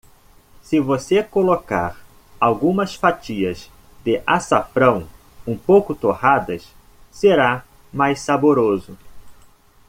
Se você colocar algumas fatias de açafrão um pouco torradas, será mais saboroso.